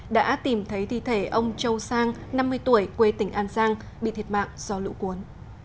đã tìm thấy thi thể ông châu sang năm mươi tuổi quê tỉnh an giang bị thiệt mạng do lũ cuốn